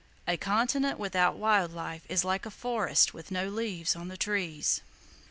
A continent without wild life is like a forest with no leaves on the trees.